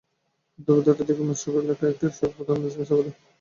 দুপুর দেড়টার দিকে মাস্টারবাড়ি এলাকায় একটি ট্রাক তাঁদের মোটরসাইকেলটি চাপা দেয়।